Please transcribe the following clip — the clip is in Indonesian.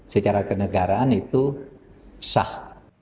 secara kenegaraan itu sah